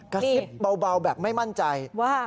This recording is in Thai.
กระซิบเบาแบบไม่มั่นใจว่า